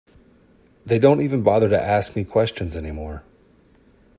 They don't even bother to ask me questions any more.